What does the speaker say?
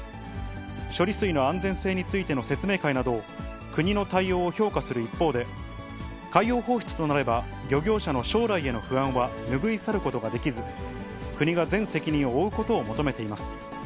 処理水の安全性についての説明会など、国の対応を評価する一方で、海洋放出となれば、漁業者の将来への不安は拭い去ることができず、国が全責任を負うことを求めています。